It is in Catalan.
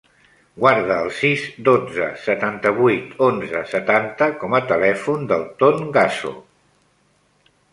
Guarda el sis, dotze, setanta-vuit, onze, setanta com a telèfon del Ton Gasso.